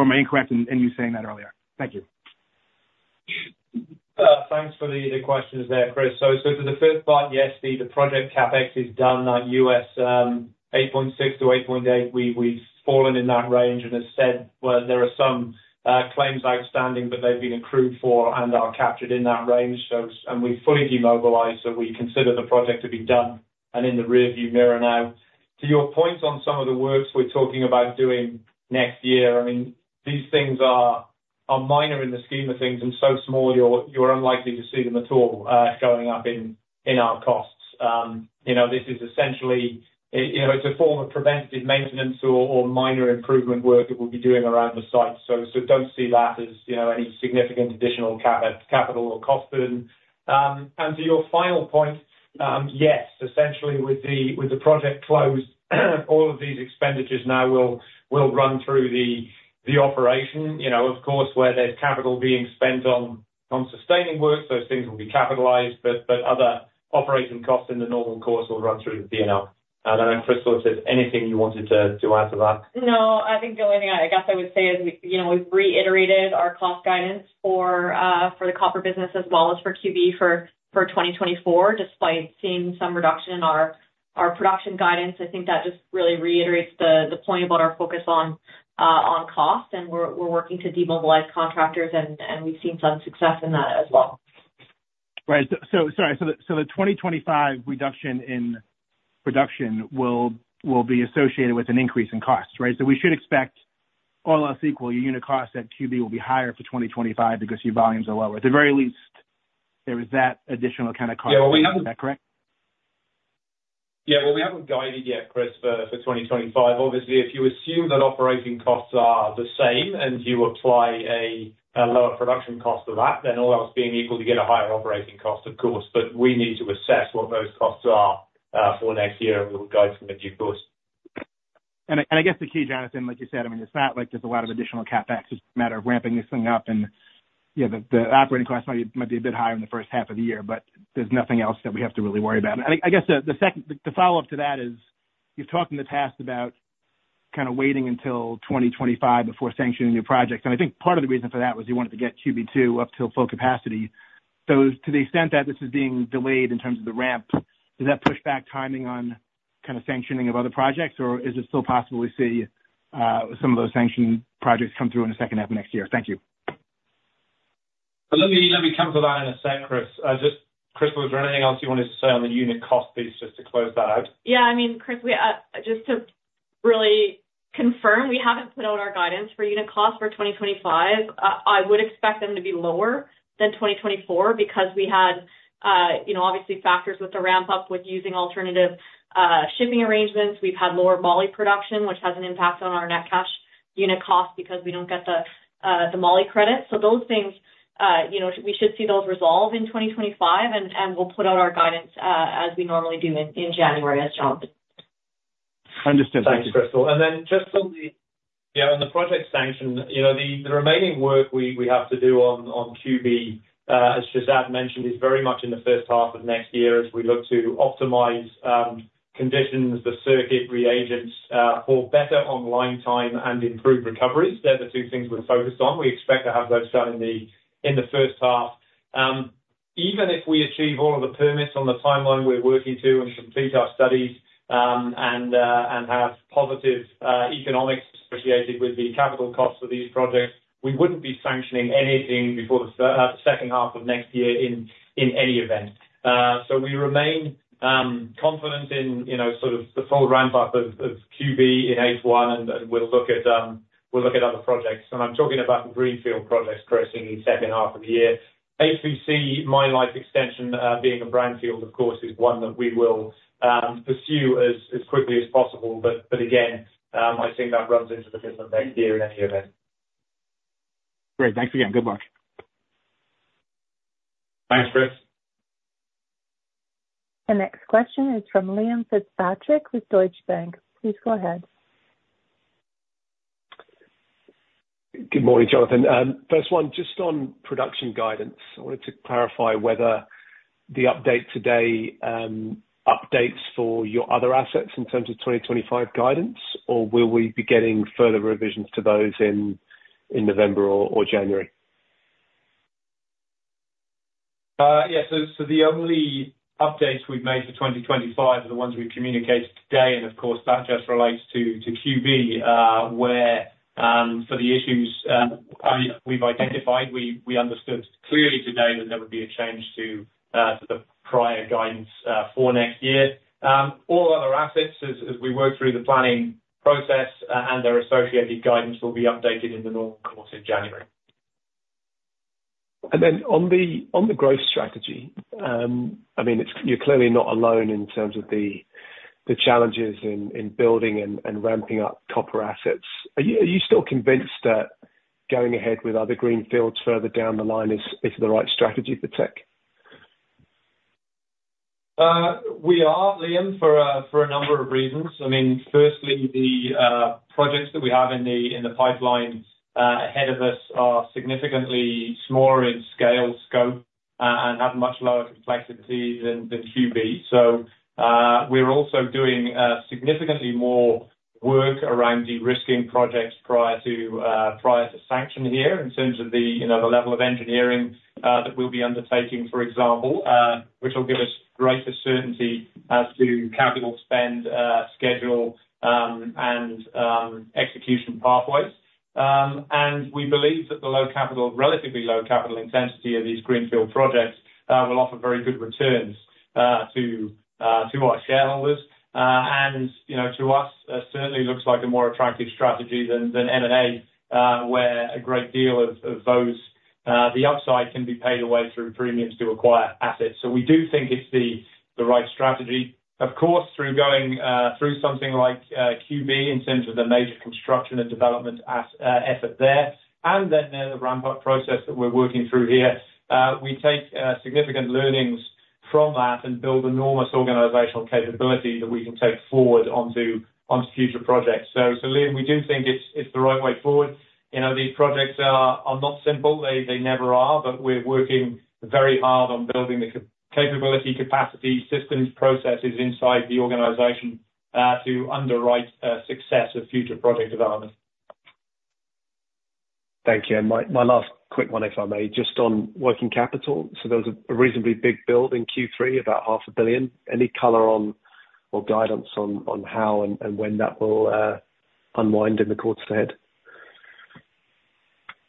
am I incorrect in you saying that earlier? Thank you. Thanks for the questions there, Chris. So for the first part, yes, the project CapEx is done, $8.6-$8.8. We've fallen in that range, and as said, there are some claims outstanding, but they've been accrued for and are captured in that range. So and we've fully demobilized, so we consider the project to be done and in the rearview mirror now. To your point on some of the works we're talking about doing next year, I mean, these things are minor in the scheme of things, and so small, you're unlikely to see them at all, showing up in our costs. You know, this is essentially you know, it's a form of preventative maintenance or minor improvement work that we'll be doing around the site. Don't see that as, you know, any significant additional capital or cost. To your final point, yes, essentially with the project closed, all of these expenditures now will run through the operation. You know, of course, where there's capital being spent on sustaining work, those things will be capitalized, but other operating costs in the normal course will run through the P&L. I don't know, Crystal, if there's anything you wanted to add to that? No, I think the only thing I guess I would say is we, you know, we've reiterated our cost guidance for the copper business as well as for QB for 2024, despite seeing some reduction in our production guidance. I think that just really reiterates the point about our focus on cost, and we're working to demobilize contractors, and we've seen some success in that as well. Right. So sorry, the 2025 reduction in production will be associated with an increase in cost, right? So we should expect all else equal, your unit cost at QB will be higher for 2025 because your volumes are lower. At the very least, there is that additional kind of cost- Yeah, well, we haven't- Is that correct? Yeah, well, we haven't guided yet, Chris, for 2025. Obviously, if you assume that operating costs are the same and you apply a lower production cost to that, then all else being equal, you get a higher operating cost, of course. But we need to assess what those costs are for next year, and we'll guide them in due course. I guess the key, Jonathan, like you said, I mean, it's not like there's a lot of additional CapEx. It's a matter of ramping this thing up and, you know, the operating costs might be a bit higher in the first half of the year, but there's nothing else that we have to really worry about. I guess the second, the follow-up to that is, you've talked in the past about kind of waiting until 2025 before sanctioning new projects, and I think part of the reason for that was you wanted to get QB two up to full capacity. So to the extent that this is being delayed in terms of the ramp, does that push back timing on kind of sanctioning of other projects, or is it still possible to see some of those sanction projects come through in the second half of next year? Thank you. Let me, let me come to that in a sec, Chris. Just, Crystal, is there anything else you wanted to say on the unit cost piece, just to close that out? Yeah, I mean, Chris, we just to really confirm, we haven't put out our guidance for unit cost for 2025. I would expect them to be lower than 2024 because we had, you know, obviously factors with the ramp-up with using alternative shipping arrangements. We've had lower moly production, which has an impact on our net cash unit cost because we don't get the moly credit. So those things, you know, we should see those resolved in 2025, and we'll put out our guidance as we normally do in January, as Jonathan. Understood. Thanks, Crystal. And then just on the, you know, on the project sanction, you know, the remaining work we have to do on QB, as Shehzad mentioned, is very much in the first half of next year as we look to optimize conditions, the circuit reagents, for better online time and improved recoveries. They're the two things we're focused on. We expect to have those done in the first half. Even if we achieve all of the permits on the timeline we're working to and complete our studies, and have positive economics associated with the capital costs of these projects, we wouldn't be sanctioning anything before the second half of next year in any event. So we remain confident in, you know, sort of the full ramp-up of QB in H1, and we'll look at other projects, and I'm talking about greenfield projects, particularly in the second half of the year. HVC mine life extension, being a brownfield, of course, is one that we will pursue as quickly as possible, but again, I think that runs into the fifth of next year in any event. Great. Thanks again. Good luck. Thanks, Chris. The next question is from Liam Fitzpatrick with Deutsche Bank. Please go ahead. Good morning, Jonathan. First one, just on production guidance, I wanted to clarify whether the update today, updates for your other assets in terms of 2025 guidance, or will we be getting further revisions to those in November or January? Yes. So the only updates we've made for 2025 are the ones we've communicated today, and of course, that just relates to QB, where for the issues we've identified, we understood clearly today that there would be a change to the prior guidance for next year. All other assets, as we work through the planning process, and their associated guidance will be updated in the normal course of January. And then on the growth strategy, I mean, you're clearly not alone in terms of the challenges in building and ramping up copper assets. Are you still convinced that going ahead with other greenfields further down the line is the right strategy for Teck? We are, Liam, for a number of reasons. I mean, firstly, the projects that we have in the pipeline ahead of us are significantly smaller in scale, scope, and have much lower complexity than QB. So, we're also doing significantly more work around de-risking projects prior to sanction here, in terms of you know the level of engineering that we'll be undertaking, for example, which will give us greater certainty as to capital spend, schedule, and execution pathways. And we believe that the low capital, relatively low capital intensity of these greenfield projects will offer very good returns to our shareholders. And, you know, to us, it certainly looks like a more attractive strategy than M&A, where a great deal of those, the upside can be paid away through premiums to acquire assets. So we do think it's the right strategy. Of course, through going through something like QB, in terms of the major construction and development and effort there, and then the ramp-up process that we're working through here, we take significant learnings from that and build enormous organizational capability that we can take forward onto future projects. So Liam, we do think it's the right way forward. You know, these projects are not simple. They never are, but we're working very hard on building the capability, capacity, systems, processes inside the organization to underwrite success of future project development. Thank you. And my last quick one, if I may, just on working capital. So there was a reasonably big build in Q3, about $500 million. Any color on or guidance on how and when that will unwind in the quarters ahead?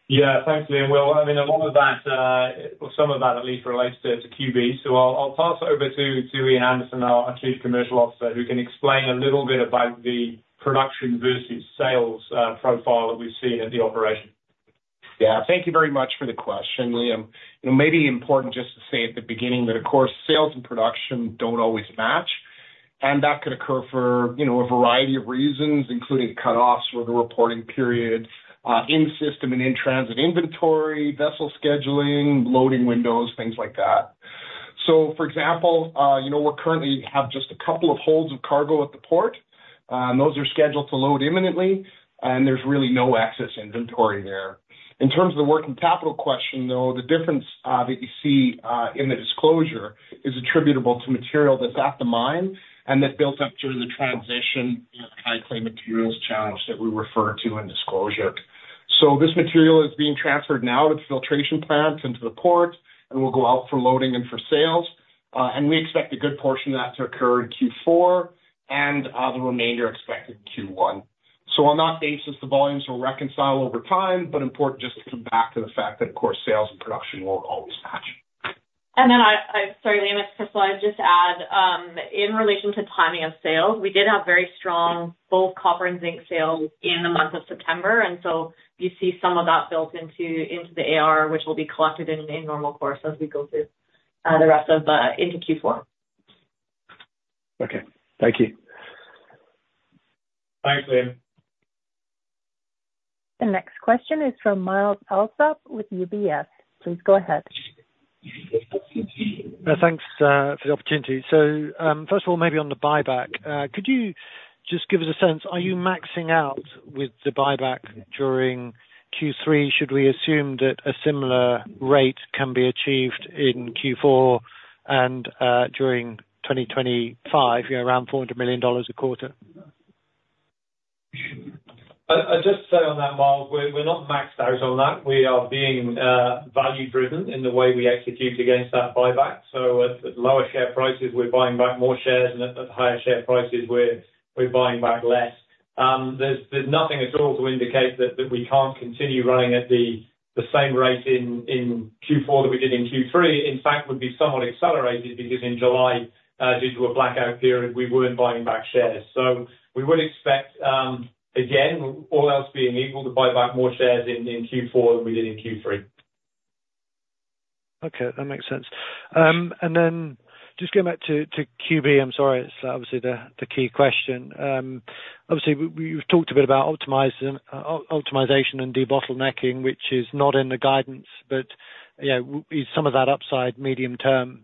Yeah. Thanks, Liam. Well, I mean, a lot of that, or some of that at least, relates to QB. So I'll pass over to Ian Anderson, our Chief Commercial Officer, who can explain a little bit about the production versus sales profile that we see in the operation. Yeah, thank you very much for the question, Liam. It may be important just to say at the beginning that, of course, sales and production don't always match, and that could occur for, you know, a variety of reasons, including cutoffs for the reporting period, in-system and in-transit inventory, vessel scheduling, loading windows, things like that. So for example, you know, we currently have just a couple of holds of cargo at the port, and those are scheduled to load imminently, and there's really no excess inventory there. In terms of the working capital question, though, the difference that you see in the disclosure is attributable to material that's at the mine and that built up during the transition of high clay materials challenge that we refer to in disclosure. So this material is being transferred now to filtration plants into the port and will go out for loading and for sales, and we expect a good portion of that to occur in Q4, and the remainder expected Q1. So on that basis, the volumes will reconcile over time, but important just to come back to the fact that, of course, sales and production won't always match. Sorry, Liam, it's Crystal. I'd just add, in relation to timing of sales, we did have very strong both copper and zinc sales in the month of September, and so you see some of that built into the AR, which will be collected in a normal course as we go through the rest of the into Q4. Okay. Thank you. Thanks, Liam. The next question is from Myles Allsop with UBS. Please go ahead. Thanks for the opportunity. So, first of all, maybe on the buyback, could you just give us a sense, are you maxing out with the buyback during Q3? Should we assume that a similar rate can be achieved in Q4 and during 2025, around $400 million a quarter? I'd just say on that, Myles, we're not maxed out on that. We are being value driven in the way we execute against that buyback. So at lower share prices, we're buying back more shares, and at higher share prices, we're buying back less. There's nothing at all to indicate that we can't continue running at the same rate in Q4 that we did in Q3. In fact, would be somewhat accelerated, because in July, due to a blackout period, we weren't buying back shares. So we would expect, again, all else being equal, to buy back more shares in Q4 than we did in Q3. Okay, that makes sense. And then just going back to, to QB, I'm sorry, it's obviously the, the key question. Obviously, we've talked a bit about optimization and debottlenecking, which is not in the guidance, but, you know, is some of that upside medium term.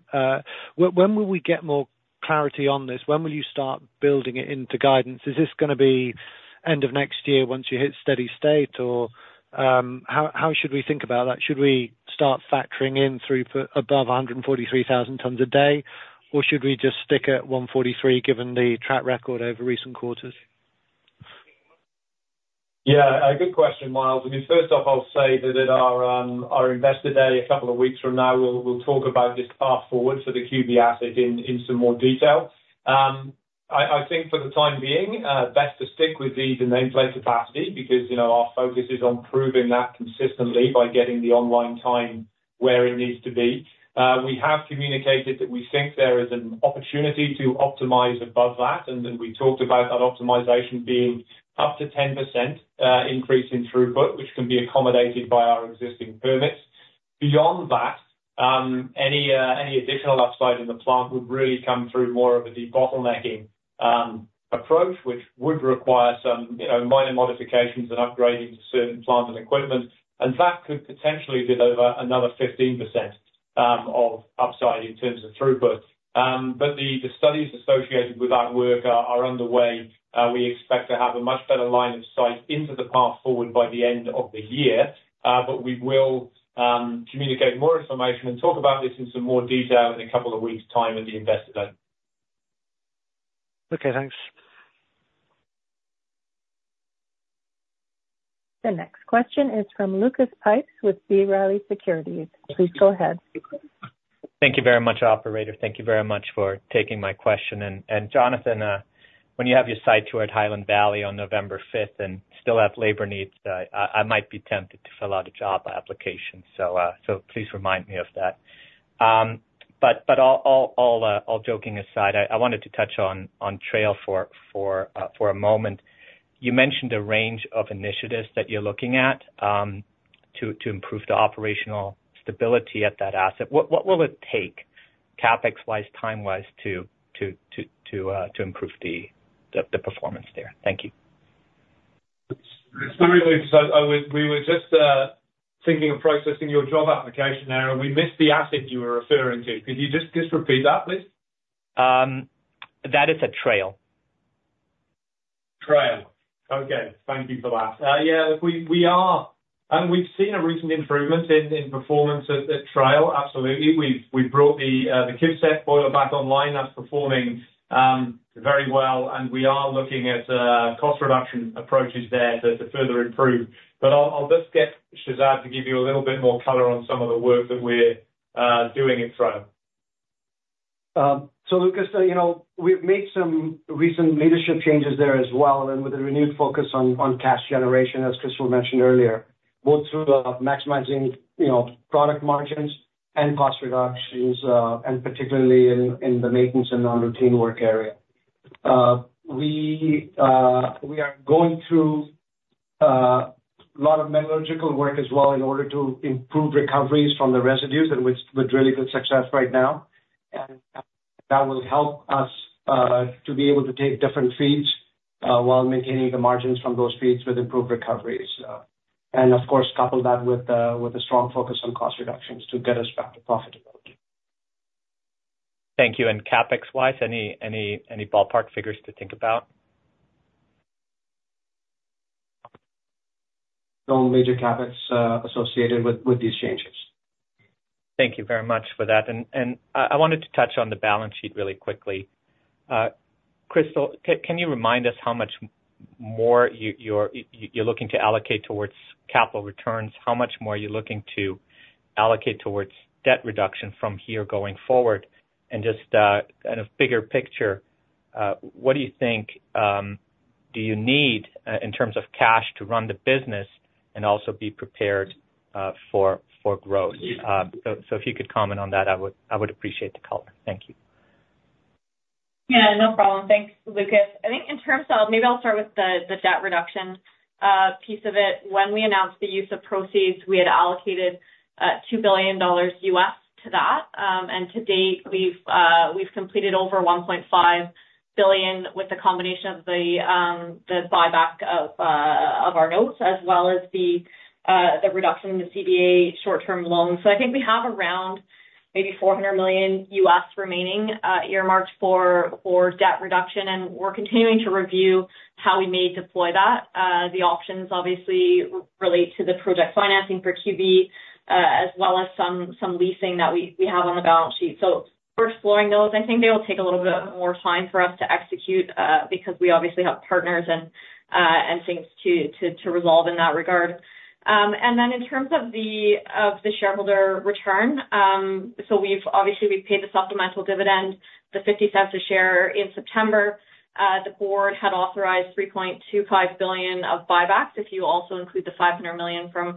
When will we get more clarity on this? When will you start building it into guidance? Is this gonna be end of next year once you hit steady state, or, how, how should we think about that? Should we start factoring in throughput above hundred and forty-three thousand tons a day, or should we just stick at one forty-three, given the track record over recent quarters? Yeah, a good question, Myles. I mean, first off, I'll say that at our our Investor Day, a couple of weeks from now, we'll talk about this path forward for the QB asset in some more detail. I think for the time being, best to stick with the nameplate capacity, because, you know, our focus is on proving that consistently by getting the online time where it needs to be. We have communicated that we think there is an opportunity to optimize above that, and then we talked about that optimization being up to 10% increase in throughput, which can be accommodated by our existing permits. Beyond that, any additional upside in the plant would really come through more of a debottlenecking approach, which would require some, you know, minor modifications and upgrading to certain plant and equipment, and that could potentially deliver another 15% of upside in terms of throughput. But the studies associated with that work are underway. We expect to have a much better line of sight into the path forward by the end of the year. But we will communicate more information and talk about this in some more detail in a couple of weeks' time at the Investor Day. Okay, thanks. The next question is from Lucas Pipes with B. Riley Securities. Please go ahead. Thank you very much, operator. Thank you very much for taking my question. Jonathan, when you have your site tour at Highland Valley on November fifth and still have labor needs, I might be tempted to fill out a job application, so please remind me of that. All joking aside, I wanted to touch on Trail for a moment. You mentioned a range of initiatives that you're looking at to improve the operational stability at that asset. What will it take CapEx-wise, time-wise to improve the performance there? Thank you. Sorry, Lucas, I was, we were just thinking of processing your job application there, and we missed the asset you were referring to. Could you just repeat that, please? That is at Trail. Trail. Okay, thank you for that. Yeah, we are, and we've seen a recent improvement in performance at Trail. Absolutely. We've brought the KIVCET boiler back online. That's performing very well, and we are looking at cost reduction approaches there to further improve. But I'll just get Shehzad to give you a little bit more color on some of the work that we're doing in Trail. So Lucas, you know, we've made some recent leadership changes there as well, and with a renewed focus on cash generation, as Crystal mentioned earlier, both through maximizing, you know, product margins and cost reductions, and particularly in the maintenance and non-routine work area. We are going through a lot of metallurgical work as well in order to improve recoveries from the residues, and with really good success right now, and that will help us to be able to take different feeds while maintaining the margins from those feeds with improved recoveries, and of course, couple that with a strong focus on cost reductions to get us back to profitability. Thank you, and CapEx-wise, any ballpark figures to think about? No major CapEx associated with these changes. Thank you very much for that. I wanted to touch on the balance sheet really quickly. Crystal, can you remind us how much more you are looking to allocate towards capital returns? How much more are you looking to allocate towards debt reduction from here going forward? And just in a bigger picture, what do you think do you need in terms of cash to run the business and also be prepared for growth? So if you could comment on that, I would appreciate the color. Thank you. Yeah, no problem. Thanks, Lucas. I think in terms of... Maybe I'll start with the debt reduction piece of it. When we announced the use of proceeds, we had allocated $2 billion to that. And to date, we've completed over $1.5 billion, with the combination of the buyback of our notes, as well as the reduction in the CBA short-term loan. So I think we have around maybe $400 million remaining earmarked for debt reduction, and we're continuing to review how we may deploy that. The options obviously relate to the project financing for QB, as well as some leasing that we have on the balance sheet. So we're exploring those. I think they will take a little bit more time for us to execute, because we obviously have partners and things to resolve in that regard. And then in terms of the shareholder return, so we've obviously paid the supplemental dividend, the $0.50 a share in September. The board had authorized $3.25 billion of buybacks, if you also include the $500 million from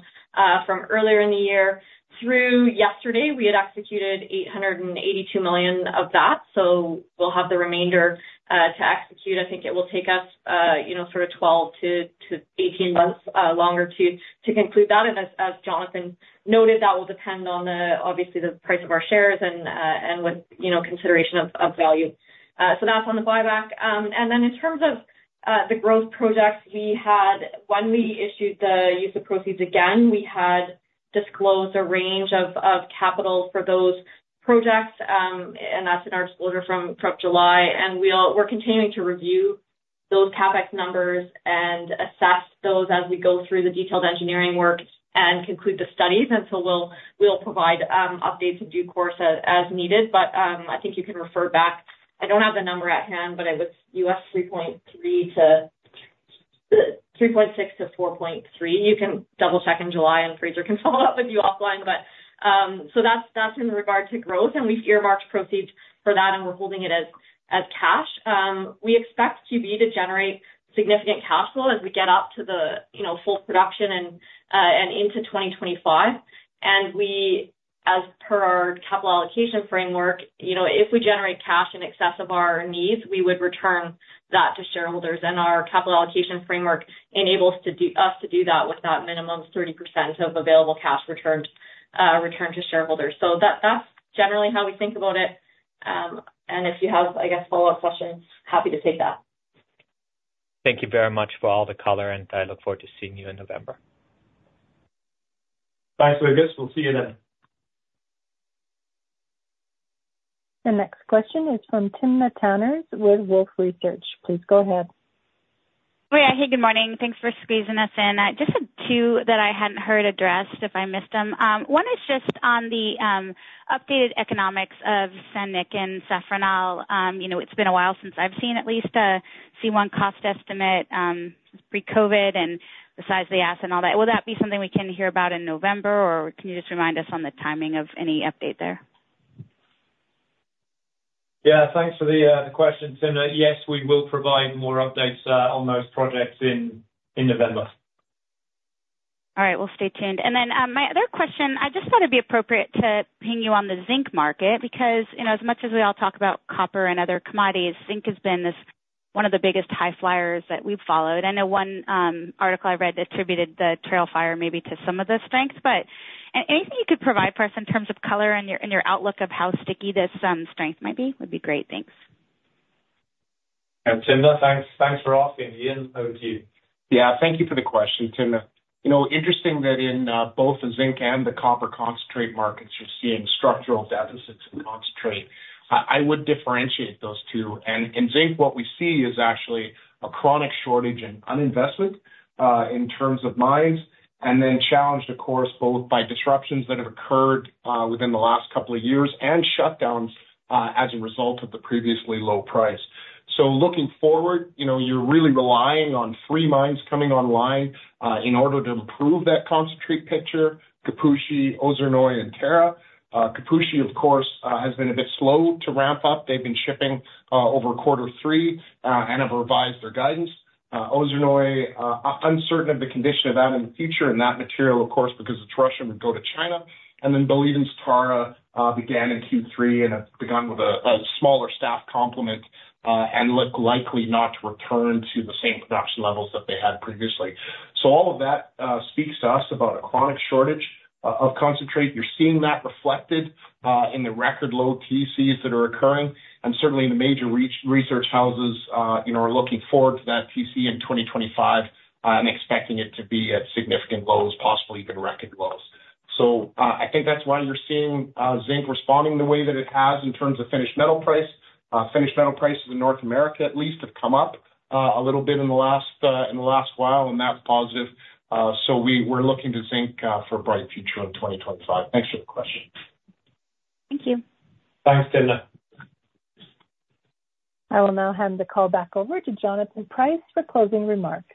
earlier in the year. Through yesterday, we had executed $882 million of that, so we'll have the remainder to execute. I think it will take us, you know, sort of 12-18 months longer to conclude that. And as Jonathan noted, that will depend on the, obviously, the price of our shares and, and with, you know, consideration of value. So that's on the buyback. And then in terms of the growth projects, we had, when we issued the use of proceeds again, we had disclosed a range of capital for those projects, and that's in our disclosure from July. We're continuing to review those CapEx numbers and assess those as we go through the detailed engineering work and conclude the studies. So we'll provide updates in due course as needed. But I think you can refer back. I don't have the number at hand, but it was $3.3 to $3.6 to $4.3. You can double check in July, and Fraser can follow up with you offline. But so that's in regard to growth, and we've earmarked proceeds for that, and we're holding it as cash. We expect to generate significant cash flow as we get up to the, you know, full production and into 2025. As per our capital allocation framework, you know, if we generate cash in excess of our needs, we would return that to shareholders, and our capital allocation framework enables us to do that, with that minimum of 30% of available cash returned to shareholders. That is generally how we think about it. If you have, I guess, follow-up questions, happy to take that. Thank you very much for all the color, and I look forward to seeing you in November. Thanks, Lucas. We'll see you then. The next question is from Timna Tanners with Wolfe Research. Please go ahead. Hey, good morning. Thanks for squeezing us in. Just had two that I hadn't heard addressed, if I missed them. One is just on the updated economics of San Nicolás and Zafranal. You know, it's been a while since I've seen at least a C1 cost estimate, pre-COVID and the size of the asset and all that. Will that be something we can hear about in November, or can you just remind us on the timing of any update there? Yeah, thanks for the question, Timna. Yes, we will provide more updates on those projects in November. All right. We'll stay tuned. And then, my other question, I just thought it'd be appropriate to ping you on the zinc market, because, you know, as much as we all talk about copper and other commodities, zinc has been this, one of the biggest high flyers that we've followed. I know one article I read attributed the Trail fire maybe to some of the strength, but anything you could provide for us in terms of color and your, and your outlook of how sticky this strength might be, would be great. Thanks. Yeah, Timna, thanks, thanks for asking. Ian, over to you. Yeah, thank you for the question, Timna. You know, interesting that in both the zinc and the copper concentrate markets, you're seeing structural deficits in concentrate. I would differentiate those two, and in zinc, what we see is actually a chronic shortage and underinvestment in terms of mines, and then challenged, of course, both by disruptions that have occurred within the last couple of years and shutdowns as a result of the previously low price. So looking forward, you know, you're really relying on three mines coming online in order to improve that concentrate picture, Kipushi, Ozernoye, and Tara. Kipushi, of course, has been a bit slow to ramp up. They've been shipping over quarter three and have revised their guidance. Ozernoye, uncertain of the condition of that in the future, and that material, of course, because it's Russian, would go to China. And then the layoff in Tara began in Q3, and has begun with a smaller staff complement, and likely not to return to the same production levels that they had previously. So all of that speaks to us about a chronic shortage of concentrate. You're seeing that reflected in the record low TCs that are occurring, and certainly in the major research houses, you know, are looking forward to that TC in 2025, expecting it to be at significant lows, possibly even record lows. So I think that's why you're seeing zinc responding the way that it has in terms of finished metal price. Finished metal prices in North America at least have come up a little bit in the last while, and that's positive. So we're looking to zinc for a bright future in 2025. Thanks for the question. Thank you. Thanks, Timna. I will now hand the call back over to Jonathan Price for closing remarks.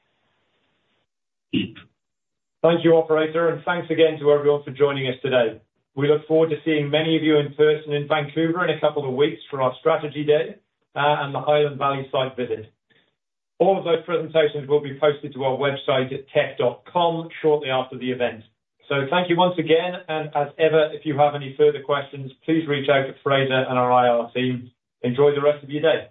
Thank you, operator, and thanks again to everyone for joining us today. We look forward to seeing many of you in person in Vancouver in a couple of weeks for our Strategy Day, and the Highland Valley site visit. All of those presentations will be posted to our website at teck.com shortly after the event. So thank you once again, and as ever, if you have any further questions, please reach out to Fraser and our IR team. Enjoy the rest of your day.